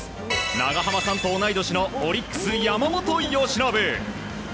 長濱さんと同い年のオリックス、山本由伸。